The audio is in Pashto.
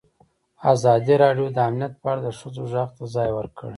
ازادي راډیو د امنیت په اړه د ښځو غږ ته ځای ورکړی.